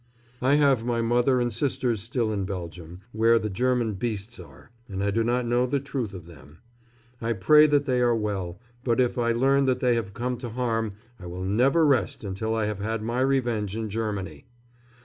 I have my mother and sisters still in Belgium, where the German beasts are; and I do not know the truth of them. I pray that they are well; but if I learn that they have come to harm I will never rest until I have had my revenge in Germany.